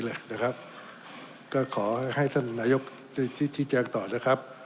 เลยนะครับก็ขอให้ท่านนายกได้ชี้แจงต่อนะครับ